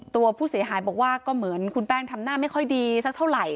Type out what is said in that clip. ตัวผู้เสียหายบอกว่าก็เหมือนคุณแป้งทำหน้าไม่ค่อยดีสักเท่าไหร่